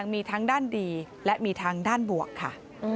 มีทั้งด้านดีและมีทางด้านบวกค่ะ